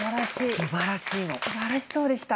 すばらしそうでした。